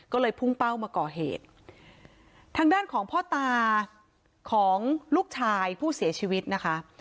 ก็เลยพุ่งเป้ามาก่อเหตุทางด้านของพ่อตาของลูกชายผู้เสียชีวิตนะคะ